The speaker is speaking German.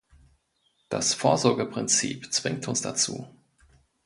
Das Vorsorgeprinzip zwingt uns dazu.